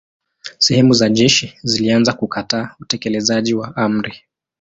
Sehemu za jeshi zilianza kukataa utekelezaji wa amri.